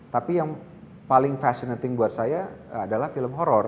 tapi yang paling fashionating buat saya adalah film horror